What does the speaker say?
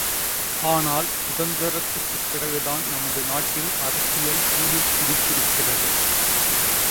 ஆனால், சுதந்தரத்துக்குப் பிறகுதான் நமது நாட்டில் அரசியல் சூடுபிடித்திருக்கிறது.